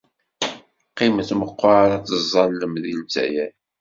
Qqimet meqqar ad teẓẓallem deg Lezzayer.